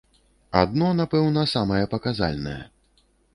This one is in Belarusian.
Адно, напэўна, самае паказальнае.